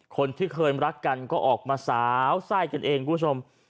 คนที่เคยรักกันก็ออกมาสาวไส้กันเองคุณผู้ชม